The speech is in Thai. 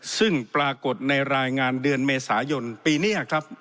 ซึ่งปรากฏในรายงานเดือนเมษายนปีนี้ครับ